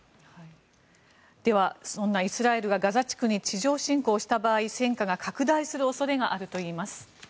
では、そんなイスラエルがガザ地区に地上侵攻した場合戦火が拡大する恐れがあるといいます。